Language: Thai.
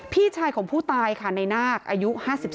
พี่ชายของผู้ตายค่ะในนาคอายุ๕๓